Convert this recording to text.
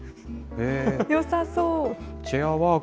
よさそう。